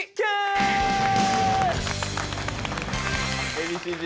Ａ．Ｂ．Ｃ−Ｚ